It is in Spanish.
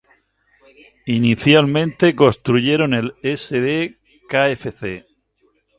Inicialmente construyeron el Sd.Kfz.